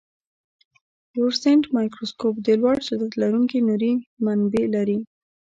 فلورسنټ مایکروسکوپ د لوړ شدت لرونکي نوري منبع لري.